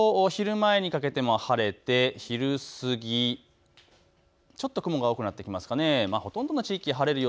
その後、昼前にかけても晴れて昼過ぎ、ちょっと雲が多くなってきますかね。